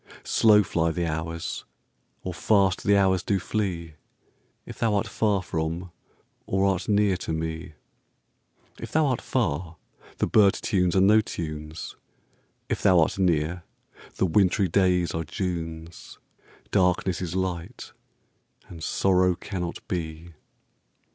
Slow fly the hours, or fast the hours do flee, If thou art far from or art near to me:If thou art far, the bird tunes are no tunes; If thou art near, the wintry days are Junes,—Darkness is light, and sorrow cannot be.